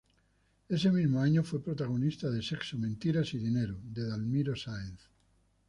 Ese mismo año fue protagonista de "Sexo, mentiras y dinero" de Dalmiro Sáenz.